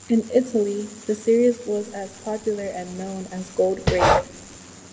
In Italy, the series was as popular and known as "Goldrake".